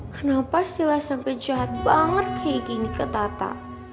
kenapa sila sampe jahat banget kayak gini ke tata